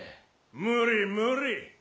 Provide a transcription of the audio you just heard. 無理無理。